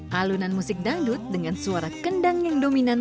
halunan musik dangdut dengan suara kendang yang dominan